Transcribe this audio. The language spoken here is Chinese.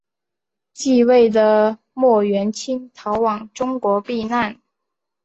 继位的莫元清逃往中国避难。